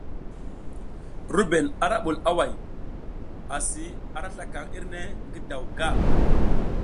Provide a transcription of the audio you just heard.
RUBEN ara bul away, asi ara slakaŋ irne ngi daw gar.